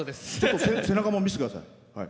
背中も見せてください。